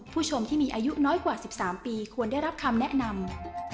ผู้ชมที่มีอายุน้อยกว่า๑๓ปีควรได้รับคำแนะนำ